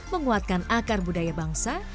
menguatkan akar budaya bangsa